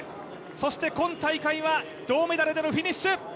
そして今大会は銅メダルでのフィニッシュ。